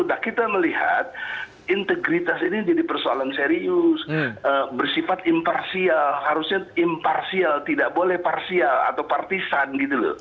nah kita melihat integritas ini jadi persoalan serius bersifat imparsial harusnya imparsial tidak boleh parsial atau partisan gitu loh